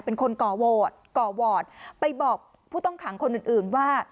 เป็นคนก่อโหวดไปบอกผู้ต้องขังคนอื่นว่า